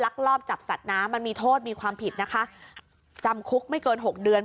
ลอบจับสัตว์น้ำมันมีโทษมีความผิดนะคะจำคุกไม่เกินหกเดือน